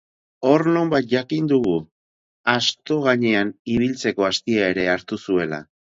Hor nonbait jakin dugu, asto gainean ibiltzeko astia ere hartu zuela.